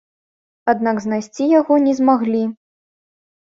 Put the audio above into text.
Аднак знайсці яго не змаглі.